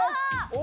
お！